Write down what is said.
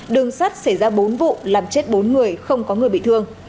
đường sắt xảy ra bốn vụ làm chết bốn người không có người bị thương